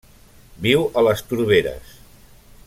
Viu a les torberes.